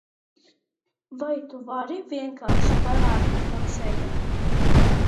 Vai tu vari vienkārši parādīt man ceļu?